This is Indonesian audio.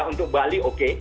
untuk bali oke